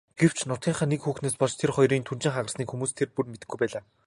Гэвч нутгийнхаа нэг хүүхнээс болж тэр хоёрын түнжин хагарсныг хүмүүс тэр бүр мэдэхгүй байлаа.